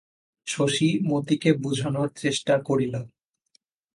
শশী মতিকে বুঝানোর চেষ্টা করিল।